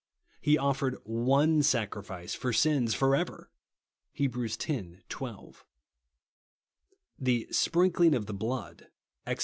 He " offered one sacrifice for sins for ever," (Heb. x. 12). The " sprinkling of the blood" (Ex.